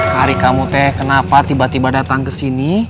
hari kamu kenapa tiba tiba datang kesini